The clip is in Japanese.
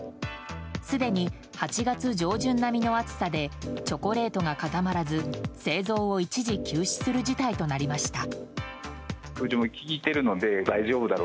すでに８月上旬並みの暑さでチョコレートが固まらず製造を一時休止する事態となりました。